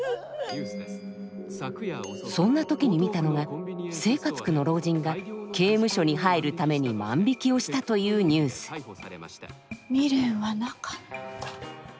そんな時に見たのが生活苦の老人が刑務所に入るために万引きをしたというニュース未練はなかった。